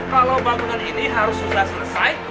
kalau bangunan ini harus sudah selesai